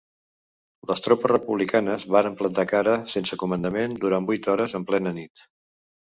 Les tropes republicanes varen plantar cara sense comandament durant vuit hores en plena nit.